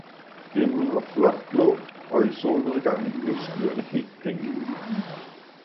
Himlen var flot blå, og i solnedgangen blev skyerne helt pink.